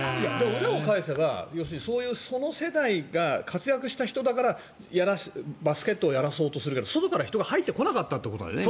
裏を返せばその世代が活躍した人だからバスケットをやらそうとするけど外から人が入ってこなかったということだよね。